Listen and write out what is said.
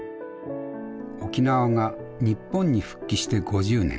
沖縄が日本に復帰して５０年。